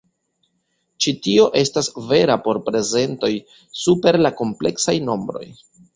Ĉi tio estas vera por prezentoj super la kompleksaj nombroj.